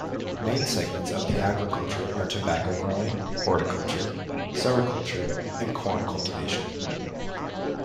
Main segments of the agriculture are tobacco growing, horticulture, sericulture and corn cultivation.